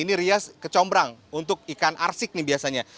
ini rias kecombrang untuk ikan arsik nih biasanya